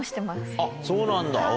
あっそうなんだ。